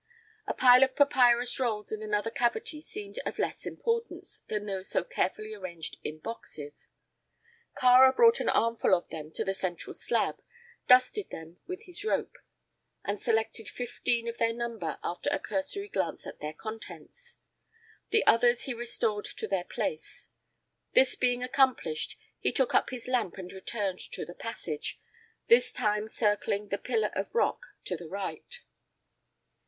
A pile of papyrus rolls in another cavity seemed of less importance than those so carefully arranged in boxes. Kāra brought an armful of them to the central slab, dusted them with his rope, and selected fifteen of their number after a cursory glance at their contents. The others he restored to their place. This being accomplished, he took up his lamp and returned to the passage, this time circling the pillar of rock to the right.